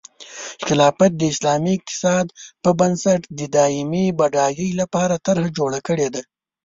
خلافت د اسلامي اقتصاد په بنسټ د دایمي بډایۍ لپاره طرحه جوړه کړې ده.